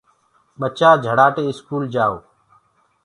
ڀچآ جھڙآٽي اسڪول ڪآؤ۔